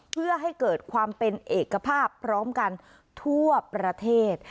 เพื่อให้เกิดความเป็นเอกภาพพร้อมกันทั่วประเทศ